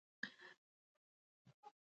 هعلْهبت تر لاسَ کړئ.